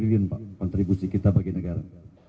ini adalah kontribusi kita bagi negara